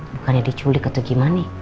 bukannya diculik atau gimana